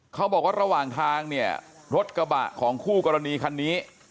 เขาบอกว่าระหว่างทางเนี่ยรถกระบะของคู่กรณีคันนี้